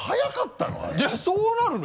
そうなるの？